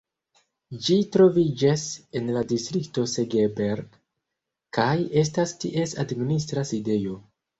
Ĝi troviĝas en la distrikto Segeberg, kaj estas ties administra sidejo.